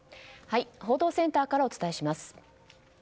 報道センターからお伝えします。